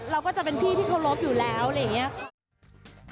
เราก็จะเป็นพี่ที่เคารพอยู่แล้วอะไรอย่างนี้ค่ะ